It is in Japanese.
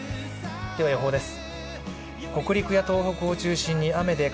では、予報です。